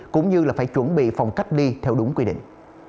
cũng như là phải chuẩn bị phòng cách ly theo đúng quy định